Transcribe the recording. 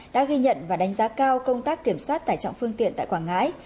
đã ghi nhận và đánh giá cao công tác kiểm soát tải trọng phương tiện tại quảng ngãi